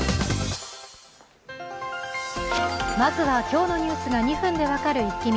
まずは今日のニュースが２分で分かるイッキ見。